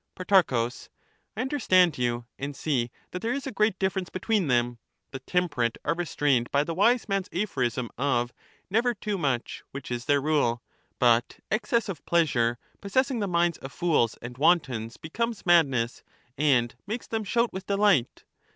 Pro, I understand you, and see that there is a great differ ence between them ; the temperate are restrained by the wise man's aphorism of ' Never too much,' which is their rule, but excess of pleasure possessing the minds of fools and wantons becomes madness and makes them shout with delight.